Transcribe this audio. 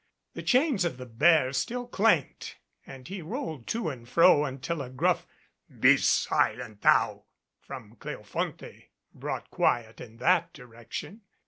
The chains of the bear still clanked as he rolled to and fro until a gruff "Be silent, thou!" from Cleofonte brought quiet in that direction.